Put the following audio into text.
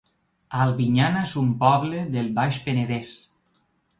Albinyana es un poble del Baix Penedès